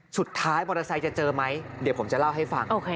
สุดท้ายมอเตอร์ไซค์จะเจอไหมเดี๋ยวผมจะเล่าให้ฟัง